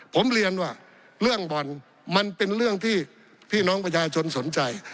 ผมเรียนว่าเรื่องบ่อนมันเป็นเรื่องที่พี่น้องประชาชนสนใจ